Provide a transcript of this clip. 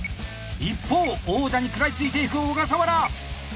一方王者に食らいついていく小笠原。